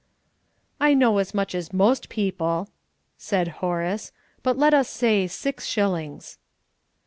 "I know as much as most people," said Horace. "But let us say six shillings."